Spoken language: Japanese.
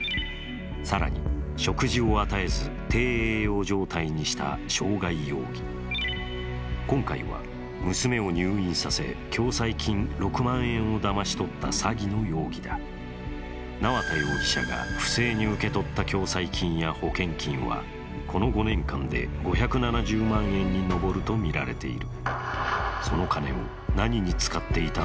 更に食事を与えず低栄養状態にした傷害容疑、今回は娘を入院させ、共済金６万円をだまし取った詐欺の容疑だ縄田容疑者が不正に受け取った共済金や保険金はこの５年間で５８０万円に上るとみられている。